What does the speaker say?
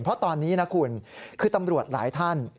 เพราะตอนนี้นะคุณคือตำรวจหลายท่าน